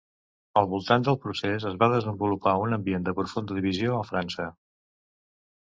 Al voltant del procés es va desenvolupar un ambient de profunda divisió a França.